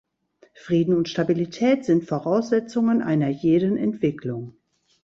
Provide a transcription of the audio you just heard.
Frieden und Stabilität sind Voraussetzungen einer jeden Entwicklung.